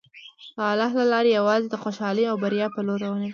د الله له لارې یوازې د خوشحالۍ او بریا په لور روانېدل.